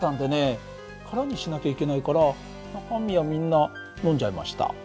空にしなきゃいけないから中身はみんな飲んじゃいました。